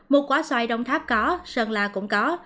một quả xoài đông tháp có sơn la cũng có